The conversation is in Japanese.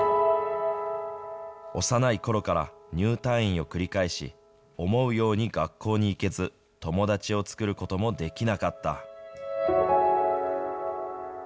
幼い頃から入退院を繰り返し、思うように学校に行けず、友達を作ることもできなかった。